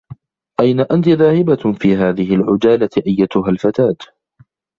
أين أنتِ ذاهبة في هذه العجالة أيّتها الفتاة؟